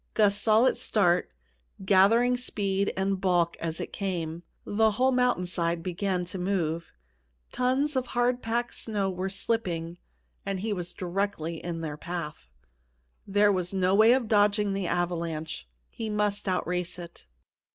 Gus saw it start, gathering speed and bulk as it came. The whole mountain side began to move. Tons of hard packed snow were slipping, and he was directly in their path. There was no way of dodging the avalanche he must outrace it.